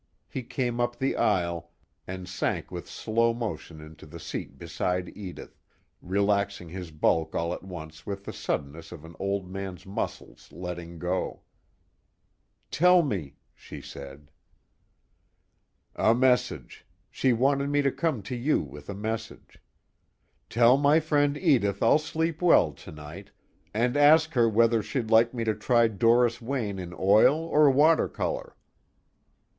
He came up the aisle, and sank with slow motion into the seat beside Edith, relaxing his bulk all at once with the suddenness of an old man's muscles letting go. "Tell me," she said. "A message. She wanted me to come to you with a message. 'Tell my friend Edith I'll sleep well tonight, and ask her whether she'd like me to try Doris Wayne in oil or watercolor.'"